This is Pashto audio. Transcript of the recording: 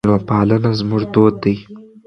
میلمه پالنه زموږ دود دی.